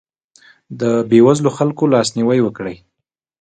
د بېوزلو خلکو لاسنیوی وکړئ.